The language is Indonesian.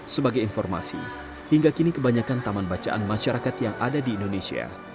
sebagai informasi hingga kini kebanyakan taman bacaan masyarakat yang ada di indonesia